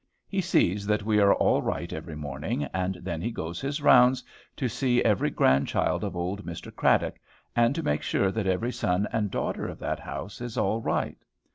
He sees that we are all right every morning; and then he goes his rounds to see every grandchild of old Mr. Cradock, and to make sure that every son and daughter of that house is 'all right.'